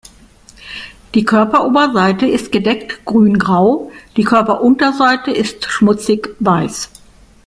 Die Körperoberseite ist gedeckt grüngrau, die Körperunterseite ist schmutzig weiß.